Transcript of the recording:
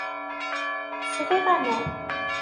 Sriɣ aman.